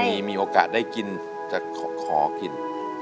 ทางนี้มีโอกาสได้กินจะขอกิน